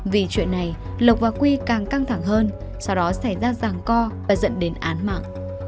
vì chuyện này lộc và quy càng căng thẳng hơn sau đó xảy ra ràng co và dẫn đến án mạng